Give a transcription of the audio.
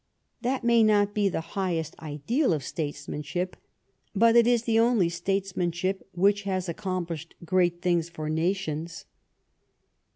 That may not be the highest ideal of statesmanship, but Is the only statesmanship which has accomplished great things for nations.